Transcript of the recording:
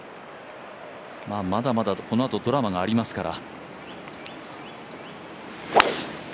まだまだこのあとドラマがありますから。